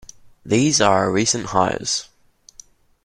These are our recent hires.